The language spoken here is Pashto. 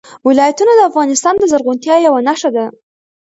ولایتونه د افغانستان د زرغونتیا یوه نښه ده.